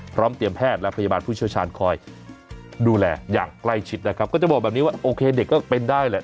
พร้อมเตรียมแพทย์และพยาบาลผู้เชี่ยวชาญคอยดูแลอย่างใกล้ชิดนะครับก็จะบอกแบบนี้ว่าโอเคเด็กก็เป็นได้แหละ